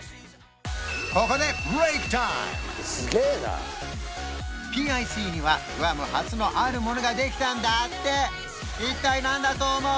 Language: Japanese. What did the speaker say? ここでＰＩＣにはグアム初のあるものができたんだって一体何だと思う？